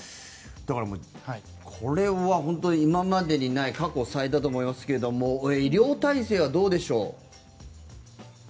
だから、これは本当に今までにない過去最多だと思いますが医療体制はどうでしょう。